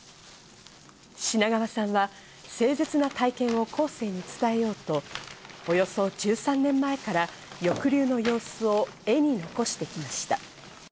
品川さんは凄絶な体験を後世に伝えようと、およそ１３年前から抑留の様子を絵に残してきました。